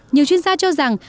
nhiều chuyên gia cho rằng